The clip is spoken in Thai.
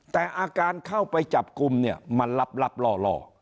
แต่อาการเข้าไปจับกลุ่มเนี่ยมันหลับหลับหล่อหล่อ